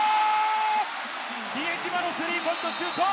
比江島のスリーポイントシュート！